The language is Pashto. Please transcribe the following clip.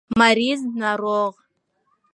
مريض √ ناروغ